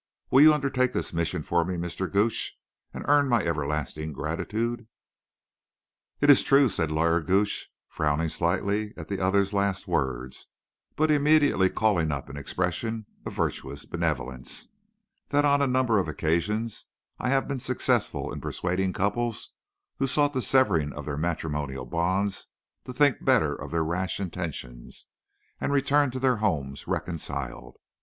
Will you undertake this mission for me, Mr. Gooch, and earn my everlasting gratitude?" "It is true," said Lawyer Gooch, frowning slightly at the other's last words, but immediately calling up an expression of virtuous benevolence, "that on a number of occasions I have been successful in persuading couples who sought the severing of their matrimonial bonds to think better of their rash intentions and return to their homes reconciled.